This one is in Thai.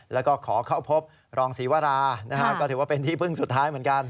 แล้วก็ขอเข้าพบรองศรีวรานะฮะก็ถือว่าเป็นที่พึ่งสุดท้ายเหมือนกัน